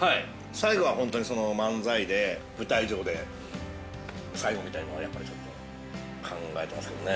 ◆最後は漫才で、舞台上で、最後みたいなのをやっぱりちょっと考えてますけどね。